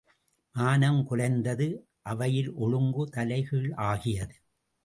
மானம் குலைந்தது அவையில் ஒழுங்கு தலை கீழ் ஆகியது.